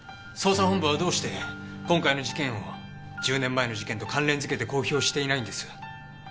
捜査本部はどうして今回の事件を１０年前の事件と関連付けて公表していないんです？